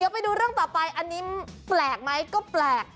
ไปดูเรื่องต่อไปอันนี้แปลกไหมก็แปลก